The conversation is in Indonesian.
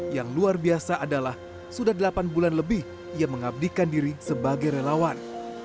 yang luar biasa adalah sudah delapan bulan lebih ia mengabdikan diri sebagai relawan